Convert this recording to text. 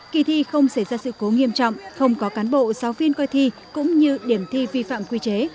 kỳ thi không xảy ra sự cố nghiêm trọng không có cán bộ giáo viên coi thi cũng như điểm thi vi phạm quy chế